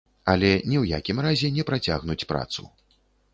Але ні ў якім разе не працягнуць працу.